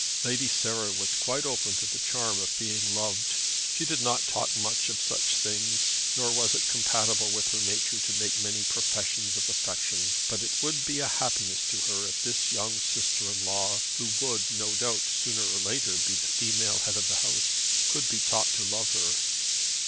Lady Sarah was quite open to the charm of being loved. She did not talk much of such things, nor was it compatible with her nature to make many professions of affection. But it would be a happiness to her if this young sister in law, who would no doubt sooner or later be the female head of the house, could be taught to love her.